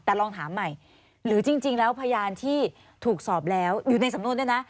แต่ลองถามใหม่หรือจริงแล้วพยานที่ถูกสอบแล้วอยู่ในสำนวนด้วยนะ